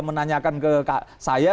menanyakan ke saya